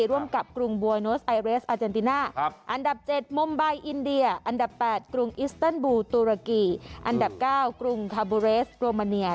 ร่วมกับกรุงบัวโนสไอเรสอาเจนติน่าอันดับ๗มมไบอินเดียอันดับ๘กรุงอิสเติลบูตุรกีอันดับ๙กรุงคาบูเรสโรมาเนีย